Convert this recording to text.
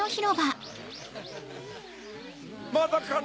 まだかな？